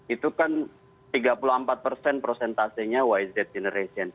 itu kan tiga puluh empat persen prosentasenya yz generation